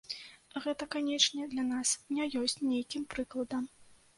Гэта, канечне, для нас не ёсць нейкім прыкладам.